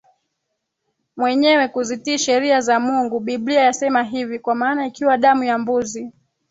mwenyewe kuzitii sheria za Mungu Biblia yasema hivi Kwa maana ikiwa damu ya mbuzi